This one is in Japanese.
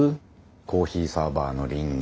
コーヒーサーバーの稟議。